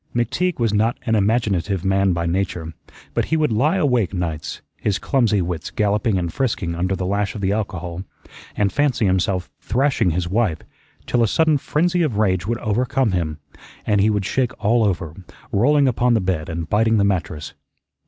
McTeague was not an imaginative man by nature, but he would lie awake nights, his clumsy wits galloping and frisking under the lash of the alcohol, and fancy himself thrashing his wife, till a sudden frenzy of rage would overcome him, and he would shake all over, rolling upon the bed and biting the mattress.